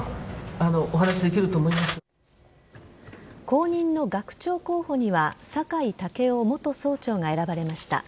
後任の学長候補には酒井健夫元総長が選ばれました。